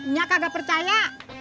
nya kagak percaya